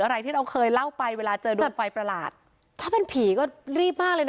อะไรที่เราเคยเล่าไปเวลาเจอดวงไฟประหลาดถ้าเป็นผีก็รีบมากเลยนะ